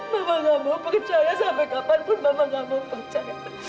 mama gak mau percaya sampai kapanpun mama gak mau percaya